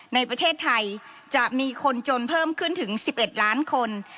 ในประเทศไทยจะมีคนจนเพิ่มขึ้นถึง๑๑ล้านคน